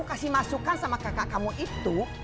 kasih masukan sama kakak kamu itu